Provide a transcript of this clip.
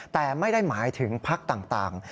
แต่ไม่ได้หมายถึงพักต่าง